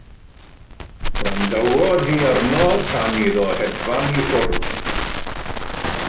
Gwrandawodd hi arno tan iddo hedfan i ffwrdd.